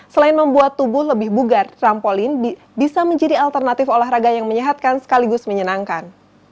selain membuat tubuh lebih bugar trampolin bisa menjadi alternatif olahraga yang menyehatkan sekaligus menyenangkan